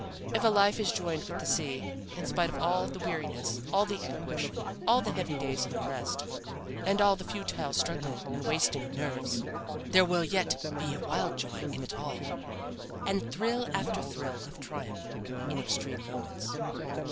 If a life is joined with the sea, in spite of all the weariness, all the anguish, all the heavy days of unrest, and all the futile struggling and wasting of nerves, there will yet be a wild joy in it all, and thrill after thrill of triumph in extreme moments.